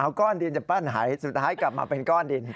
เอาก้อนดินจะปั้นหายสุดท้ายกลับมาเป็นก้อนดิน